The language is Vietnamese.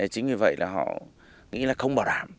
chính vì vậy là họ nghĩ là không bảo đảm